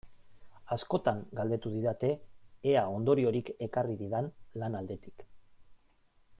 Askotan galdetu didate ea ondoriorik ekarri didan lan aldetik.